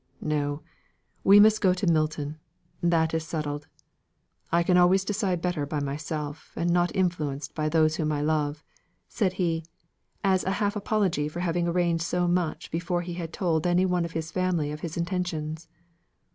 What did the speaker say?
No: we must go to Milton. That is settled. I can always decide better by myself, and not influenced by those whom I love," said he, as a half apology for having arranged so much before he had told any one of his family of his intentions.